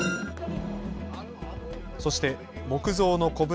そして木造の小舟